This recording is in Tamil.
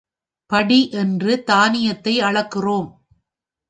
படி என்று தானியத்தை அளக்கிறோம்.